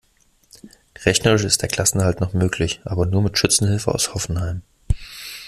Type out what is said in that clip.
Rechnerisch ist der Klassenerhalt noch möglich, aber nur mit Schützenhilfe aus Hoffenheim.